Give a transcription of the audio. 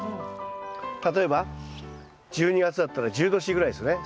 例えば１２月だったら１０℃ぐらいですね。